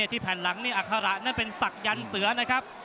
ที่แผ่นหลังนี่อัคระนั่นเป็นศักยันต์เสือนะครับ